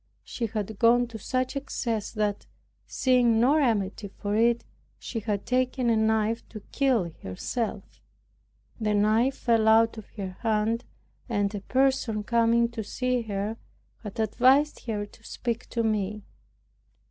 She had gone to such excess, that seeing no remedy for it, she had taken a knife to kill herself. The knife fell out of her hand and a person coming to see her had advised her to speak to me.